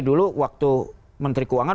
dulu waktu menteri keuangan